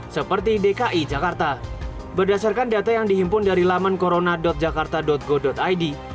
seperti dki jakarta berdasarkan data yang dihimpun dari laman corona jakarta go id